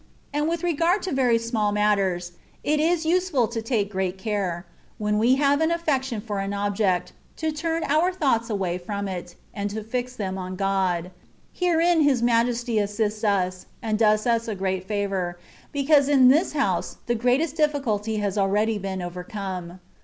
And with regard to very small mat ters, it is useful to take great care, when we have an affection for any object, to turn our thoughts away £rom it, and to fix them on God — herein His Majesty assists us, and does us a great favour, because in this house the greatest difficulty has already been overcome.